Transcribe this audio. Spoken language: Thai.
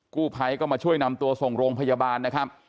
กู้ภัยก็มาช่วยนำตัวส่งโรงพยาบาลนะครับ